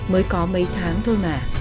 mới có mấy tháng thôi mà